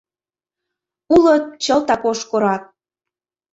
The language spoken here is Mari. Улыт чылтак ош корак.